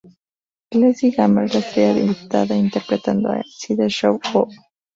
Kelsey Grammer es la estrella invitada, interpretando a Sideshow Bob.